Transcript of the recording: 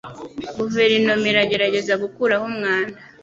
Guverinoma iragerageza gukuraho umwanda.